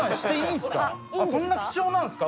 そんな貴重なんすか？